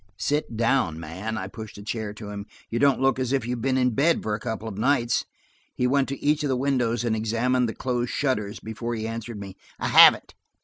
"Sit down, man," I pushed a chair to him. "You don't look as if you have been in bed for a couple of nights." He went to each of the windows and examined the closed shutters before he answered me. "I haven't.